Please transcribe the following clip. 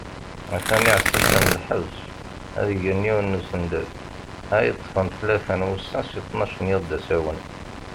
Atan iεessasen n lḥebs ad gen yiwen usunded ad yeṭṭfen tlata n wussan si ttnac n yiḍ d asawen.